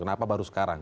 kenapa baru sekarang